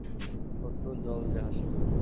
শত্রুর দল যে হাসিবে!